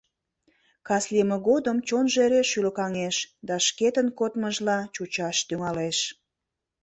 Кас лийме годым чонжо эре шӱлыкаҥеш да шкетын кодмыжла чучаш тӱҥалеш.